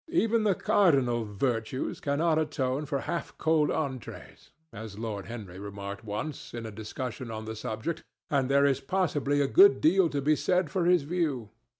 Even the cardinal virtues cannot atone for half cold entrées, as Lord Henry remarked once, in a discussion on the subject, and there is possibly a good deal to be said for his view.